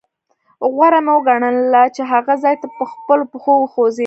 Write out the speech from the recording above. غوره مې وګڼله چې هغه ځاې ته په خپلو پښو وخوځېږم.